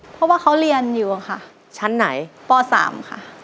เพราะว่าเขาเรียนอยู่ค่ะชั้นไหนป๓ค่ะ